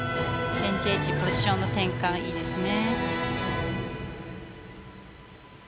チェンジエッジポジションの転換いいですね。